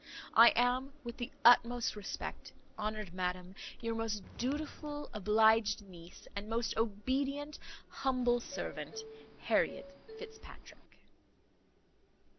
"I am, with the utmost respect, honoured madam, your most dutiful obliged niece, and most obedient humble servant, HARRIET FITZPATRICK."